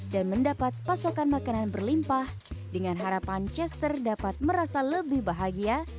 dan mendapat pasokan makanan berlimpah dengan harapan chester dapat merasa lebih bahagia